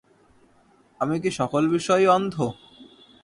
আমি কি সকল বিষয়েই অন্ধ!